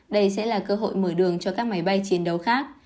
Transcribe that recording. đây sẽ là cơ hội mở đường cho các máy bay chiến đấu khác